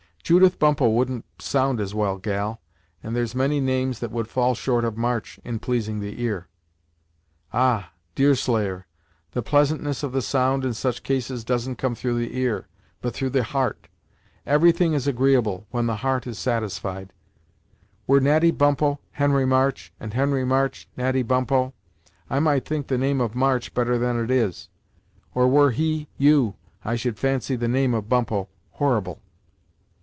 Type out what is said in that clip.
"Judith Bumppo wouldn't sound as well, gal; and there's many names that would fall short of March, in pleasing the ear." "Ah! Deerslayer, the pleasantness of the sound, in such cases, doesn't come through the ear, but through the heart. Everything is agreeable, when the heart is satisfied. Were Natty Bumppo, Henry March, and Henry March, Natty Bumppo, I might think the name of March better than it is; or were he, you, I should fancy the name of Bumppo horrible!"